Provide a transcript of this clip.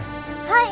はい！